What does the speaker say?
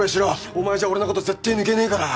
お前じゃ俺のこと絶対抜けねえから！